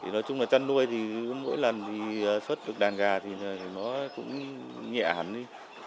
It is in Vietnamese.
nói chung là chăn nuôi thì mỗi lần thì xuất được đàn gà thì nó cũng nhẹ hẳn đi